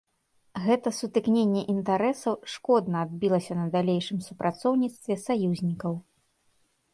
Гэта сутыкненне інтарэсаў шкодна адбілася на далейшым супрацоўніцтве саюзнікаў.